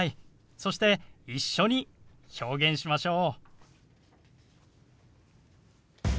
そして一緒に表現しましょう。